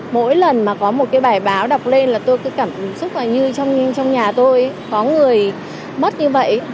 mỗi lần mà có một cái bài báo đọc lên là tôi cứ cảm xúc là như trong nhà tôi có người mất như vậy